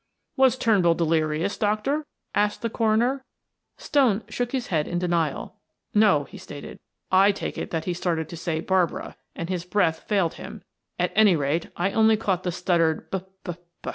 "Was Turnbull delirious, doctor?" asked the coroner. Stone shook his head in denial. "No," he stated. "I take it that he started to say 'Barbara,' and his breath failed him; at any rate I only caught the stuttered 'B b b.'"